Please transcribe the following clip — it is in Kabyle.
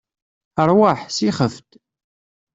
Ṛwaḥ, sixef-d.